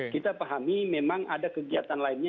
kita pahami memang ada kegiatan lainnya